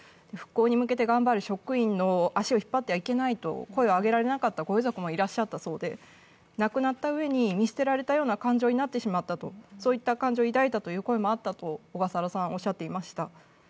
復興に向けて頑張る職員の足を引っ張ってはいけないと声を上げられなかったご遺族もいらっしゃったそうで、亡くなったうえに、見捨てられたような感情になってしまったと、そういった感情を抱いたという声もあったと小笠原さんはおっしゃっていました。